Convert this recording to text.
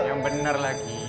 yang bener lagi